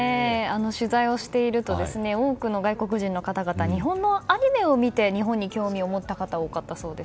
取材をしていると多くの外国人の方々日本のアニメを見て日本に興味を持った方々が多かったそうです。